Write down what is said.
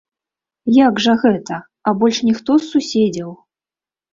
Як жа гэта, а больш ніхто з суседзяў?